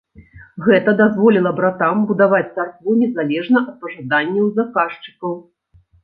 Гэта дазволіла братам будаваць царкву незалежна ад пажаданняў заказчыкаў.